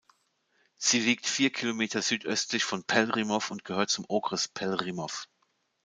Sie liegt vier Kilometer südöstlich von Pelhřimov und gehört zum Okres Pelhřimov.